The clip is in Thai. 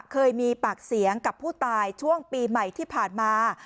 เคยมีปากเสียงกับผู้ตายช่วงปีใหม่ที่ผ่านมา